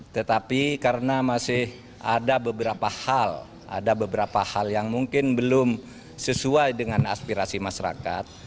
tetapi karena masih ada beberapa hal ada beberapa hal yang mungkin belum sesuai dengan aspirasi masyarakat